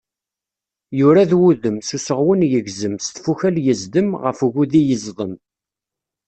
Yurad wudem, s useɣwen yegzem, s tfukal yezdem, ɣef ugudi yezḍem.